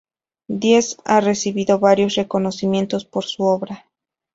Díez ha recibido varios reconocimientos por su obra.